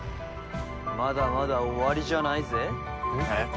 まだまだ終わりじゃないぜえっ？